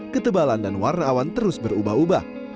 ketebalan dan warna awan terus berubah ubah